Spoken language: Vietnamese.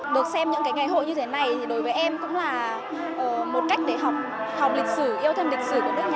được xem những cái ngày hội như thế này thì đối với em cũng là một cách để học lịch sử yêu thêm lịch sử